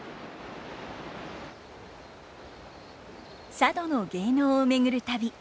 佐渡の芸能を巡る旅。